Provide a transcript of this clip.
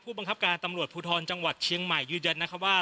บังคับการตำรวจภูทรจังหวัดเชียงใหม่ยืนยันนะคะว่า